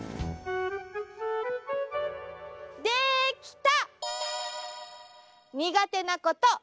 できた！